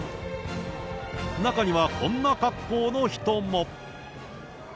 中にはこんな格好の人も。